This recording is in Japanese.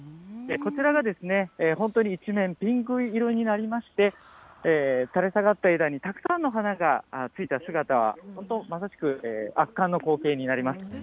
こちらが本当に一面、ピンク色になりまして、垂れ下がった枝にたくさんの花がついた姿は、本当、まさしく圧巻の光景になります。